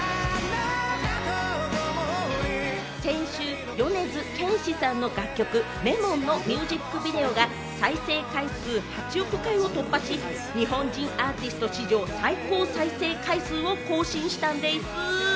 先週、米津玄師さんの楽曲『Ｌｅｍｏｎ』のミュージックビデオが再生回数８億回を突破し、日本人アーティスト史上最高再生回数を更新したんです。